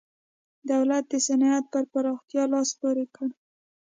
دولت د صنعت پر پراختیا لاس پورې کړ.